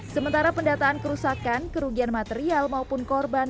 sementara pendataan kerusakan kerugian material maupun korban